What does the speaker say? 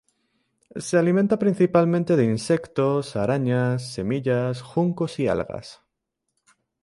Se alimenta principalmente de insectos, arañas, semillas, juncos y algas.